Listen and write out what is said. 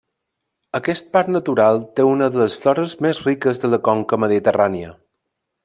Aquest Parc Natural té una de les flores més riques de la conca mediterrània.